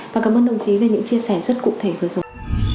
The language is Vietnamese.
và cảm ơn đồng chí về những chia sẻ rất cụ thể vừa rồi